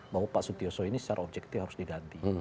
bahwa pak sutioso ini secara objektif harus diganti